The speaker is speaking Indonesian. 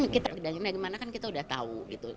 kan kita udah tahu